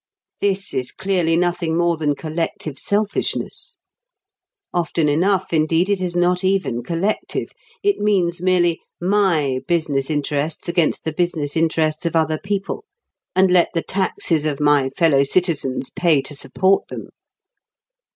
This is clearly nothing more than collective selfishness. Often enough, indeed, it is not even collective. It means merely, "My business interests against the business interests of other people, and let the taxes of my fellow citizens pay to support them."